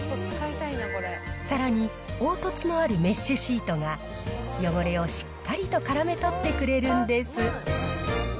さらに凹凸のあるメッシュシートが、汚れをしっかりと絡め取ってくれるんです。